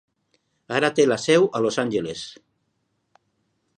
Ara té la seu a Los Angeles.